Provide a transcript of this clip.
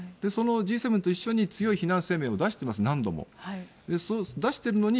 そのＧ７と一緒に強い非難声明を何度も出しています。